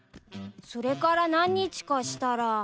それから何日かしたら。